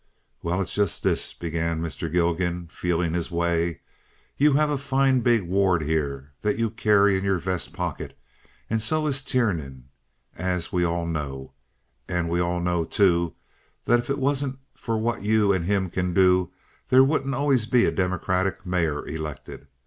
"Well, it's just this," began Mr. Gilgan, feeling his way. "You have a fine big ward here that you carry in your vest pocket, and so has Tiernan, as we all know; and we all know, too, that if it wasn't for what you and him can do there wouldn't always be a Democratic mayor elected.